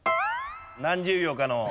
何十秒かのうん。